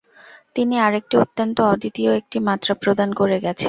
তিনি আরেকটি অত্যন্ত অদ্বিতীয় একটি মাত্রা প্রদান করে গেছেন।